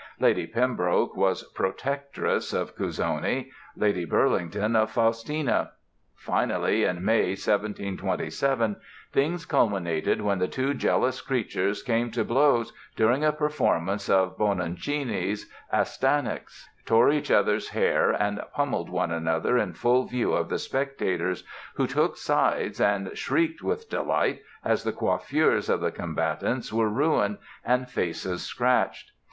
Lady Pembroke was "protectress" of Cuzzoni, Lady Burlington of Faustina. Finally, in May, 1727, things culminated when the two jealous creatures came to blows during a performance of Bononcini's "Astyanax", tore each others hair and pummeled one another in full view of the spectators, who took sides and shrieked with delight as the coiffures of the combatants were ruined and faces scratched.